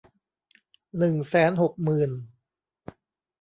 หนึ่งแสนหกหมื่น